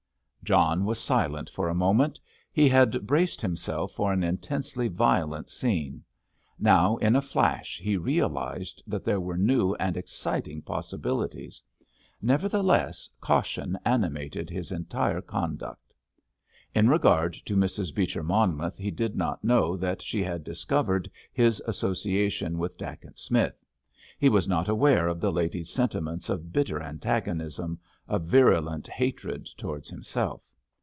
John was silent for a moment. He had braced himself for an intensely violent scene. Now, in a flash, he realised that there were new and exciting possibilities. Nevertheless, caution animated his entire conduct. In regard to Mrs. Beecher Monmouth he did not know that she had discovered his association with Dacent Smith; he was not aware of the lady's sentiments of bitter antagonism, of virulent hatred towards himself.